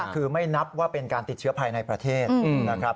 คือไม่นับว่าเป็นการติดเชื้อภายในประเทศนะครับ